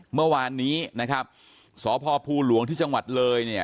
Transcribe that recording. เมื่อวานนี้นะครับสพภูหลวงที่จังหวัดเลยเนี่ย